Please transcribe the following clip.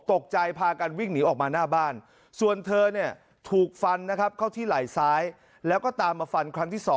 พากันวิ่งหนีออกมาหน้าบ้านส่วนเธอเนี่ยถูกฟันนะครับเข้าที่ไหล่ซ้ายแล้วก็ตามมาฟันครั้งที่๒